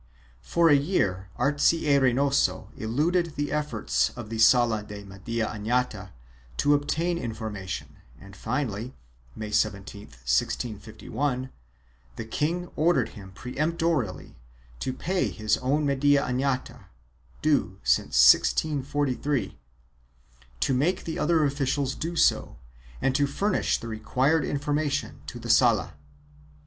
For a year Arce y Reynoso eluded the efforts of the Sala de Media Anata to obtain information and finally, May 17, 1651, the king ordered him peremptorily to pay his own media anata (due since 1643), to make the other officials do so and to furnish the required informa tion to the Sala.